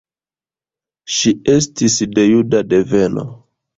Ŝi estis de juda deveno.